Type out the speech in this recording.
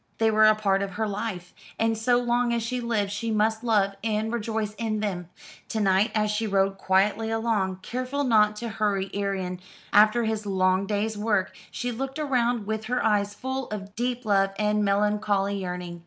They were a part of her life, and so long as she lived she must love and rejoice in them. To night as she rode quietly along, careful not to hurry Arion after his long day's work, she looked around her with eyes full of deep love and melancholy yearning.